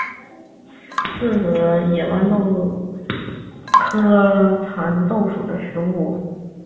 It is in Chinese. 四籽野豌豆是豆科蚕豆属的植物。